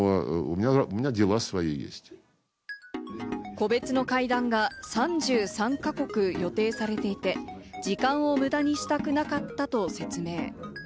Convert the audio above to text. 個別の会談が３３か国予定されていて、時間を無駄にしたくなかったと説明。